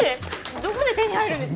どこで手に入るんですか？